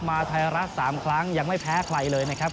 มาไทยรัฐ๓ครั้งยังไม่แพ้ใครเลยนะครับ